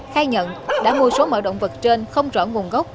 khai nhận đã mua số mỡ động vật trên không rõ nguồn gốc